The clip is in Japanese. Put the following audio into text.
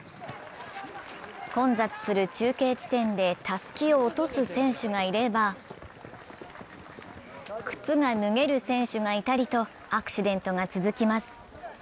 混雑する中継地点でたすきを落とす選手がいれば靴が脱げる選手がいたりとアクシデントが続きます。